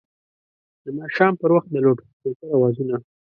د ماښام پر وخت د لوډسپیکر اوازونه